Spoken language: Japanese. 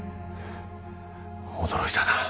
驚いたな。